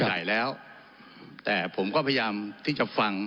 ถ่ายแล้วแต่ผมก็พยายามที่จะฟัง